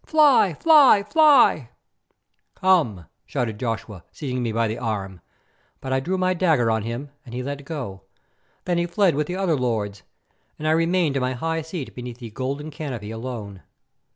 Fly, fly, fly!" "Come," shouted Joshua, seizing me by the arm, but I drew my dagger on him and he let go. Then he fled with the other lords, and I remained in my high seat beneath the golden canopy alone.